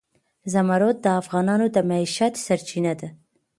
زمرد د افغانانو د معیشت سرچینه ده.